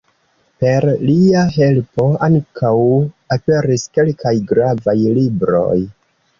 Per lia helpo ankaŭ aperis kelkaj gravaj libroj.